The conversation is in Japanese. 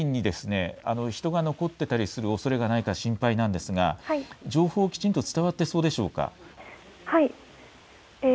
海岸付近に人が残っていたりするおそれがないか心配なんですが情報はきちんと伝わっていそうでしょうか。